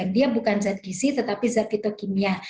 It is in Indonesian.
dia bukan zat gizi tetapi zat fitokimia